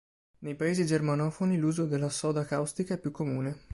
Nei paesi germanofoni l'uso della soda caustica è più comune.